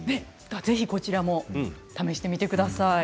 是非こちらも試してみてください。